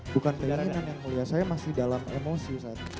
bukan penginginan yang mulia saya masih dalam emosi